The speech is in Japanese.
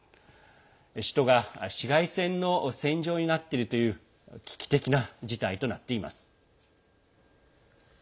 首都が市街戦の戦場になっているという危機的な事態となっています。